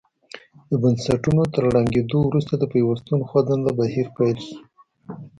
د بنسټونو تر ړنګېدو وروسته د پیوستون خوځنده بهیر پیل شو.